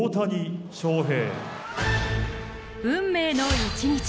運命の一日